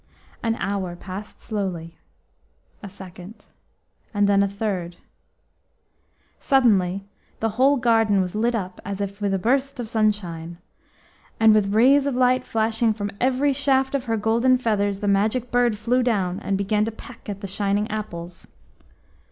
An hour passed slowly; a second, and then a third. Suddenly the whole garden was lit up as if with a burst of sunshine, and with rays of light flashing from every shaft of her golden feathers the Magic Bird flew down and began to peck at the shining apples.